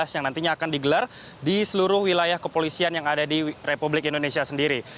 yang nantinya akan digelar di seluruh wilayah kepolisian yang ada di republik indonesia sendiri